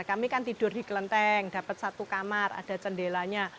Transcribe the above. kami kan tidur di kelenteng dapat satu kamar ada jendelanya